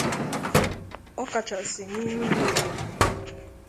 ọkachasị n'ime-ime obodo